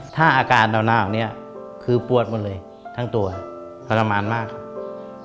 ถ้าอากาศเหล่าน่าอย่างนี้คือปวดหมดเลยทั้งตัวสละมารมากครับ